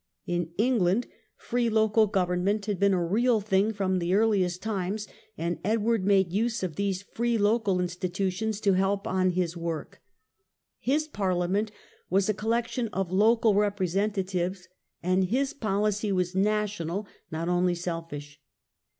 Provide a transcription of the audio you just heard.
In England free local FRENCH HISTORY, 1273 1328 67 govemment had been a real thing from the earliest times, and Edward made use of these free local institutions to help on his work : his Parliament was a collection of local representatives, and his poHcy was national not only selfish.